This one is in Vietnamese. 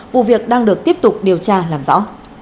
vụ việc đang được tiếp tục điều tra làm rõ